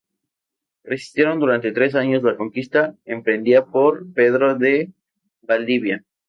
Resistieron durante tres años la conquista emprendida por Pedro de Valdivia.